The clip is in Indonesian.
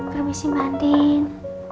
permisi mbak andin